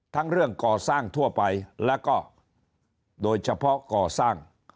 เรื่องก่อสร้างทั่วไปแล้วก็โดยเฉพาะก่อสร้าง